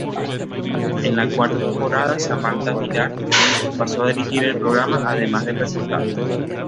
En la cuarta temporada, Samanta Villar pasó a dirigir el programa, además de presentarlo.